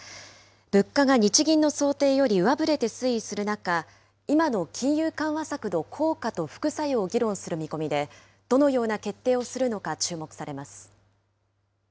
物価が日銀の想定より上振れて推移する中、今の金融緩和策の効果と副作用を議論する見込みで、どのような決定をするのか、注目されます。